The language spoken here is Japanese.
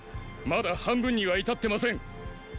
まだ半分には至ってません。